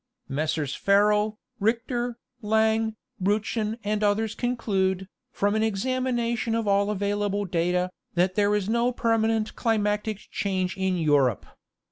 Messrs. Ferrel, Richter, Lang, Bruchen and others conclude, from an examination of all avail able data, that there is no permanent climatic change in Europe.